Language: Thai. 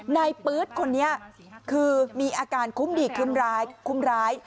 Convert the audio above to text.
ในปื๊ดคนนี้คือมีอาการคุ้มดิกคุ้มร้าย